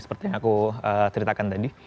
seperti yang aku ceritakan tadi